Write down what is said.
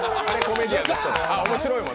面白いもん。